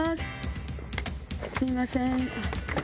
すいません。